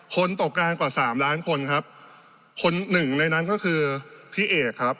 ตกกลางกว่าสามล้านคนครับคนหนึ่งในนั้นก็คือพี่เอกครับ